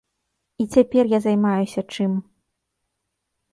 І цяпер я займаюся чым?